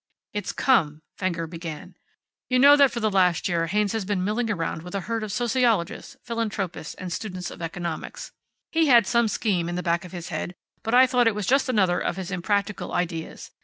"It's come," Fenger began. "You know that for the last year Haynes has been milling around with a herd of sociologists, philanthropists, and students of economics. He had some scheme in the back of his head, but I thought it was just another of his impractical ideas.